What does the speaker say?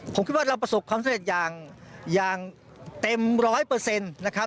ผมคิดว่าเราประสบความสำเร็จอย่างเต็ม๑๐๐นะครับ